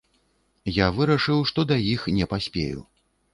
Я вырашыў, што да іх не паспею.